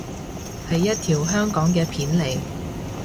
係一條香港嘅片嚟